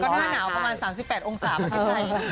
หน้าหนาวประมาณ๓๘องศาประเทศไทย